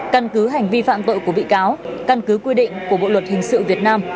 căn cứ hành vi phạm tội của bị cáo căn cứ quy định của bộ luật hình sự việt nam